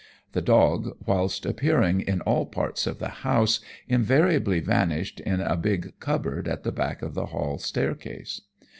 The dog, whilst appearing in all parts of the house, invariably vanished in a big cupboard at the back of the hall staircase.